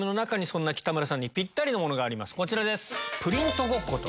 こちらです。